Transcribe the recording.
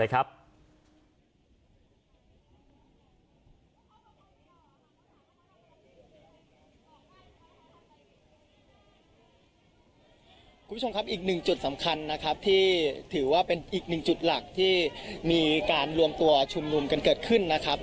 คุณผู้ชมครับอีกหนึ่งจุดสำคัญนะครับที่ถือว่าเป็นอีกหนึ่งจุดหลักที่มีการรวมตัวชุมนุมกันเกิดขึ้นนะครับ